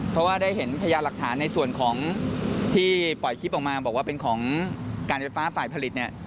เพราะว่าได้เห็นพญาหลักฐานในส่วนของที่ปล่อยคลิปออกมาบอกว่าเป็นของการไฟฟ้าฝ่ายผลิตเนี่ย